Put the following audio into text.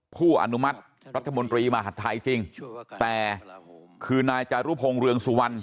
ผู้อนุมัติรัฐมนตรีมหาดไทยจริงแต่คือนายจารุพงศ์เรืองสุวรรณ